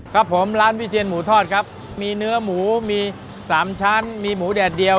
ครับผมร้านวิเชียนหมูทอดครับมีเนื้อหมูมี๓ชั้นมีหมูแดดเดียว